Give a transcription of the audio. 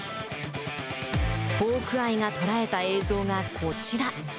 ホークアイが捉えた映像がこちら。